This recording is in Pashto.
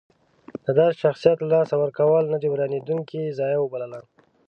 د داسې شخصیت له لاسه ورکول نه جبرانېدونکې ضایعه وبلله.